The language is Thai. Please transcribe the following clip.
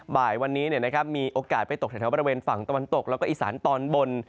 บ่ายวันนี้มีโอกาสไปตกแถวบริเวณฝั่งตะวันตกแล้วก็อีสานตอนบน